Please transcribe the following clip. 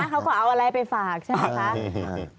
เขาก็เอาอะไรไปฝากใช่ไหมคะ